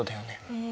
うん。